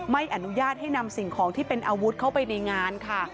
ไม่อนุญาตให้นำสิ่งของที่เป็นอาวุธเข้าไปในงานค่ะ